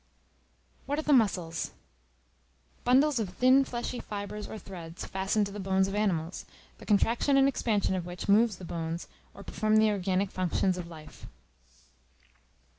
What are the Muscles? Bundles of thin fleshy fibres, or threads, fastened to the bones of animals, the contraction and expansion of which move the bones or perform the organic functions of life.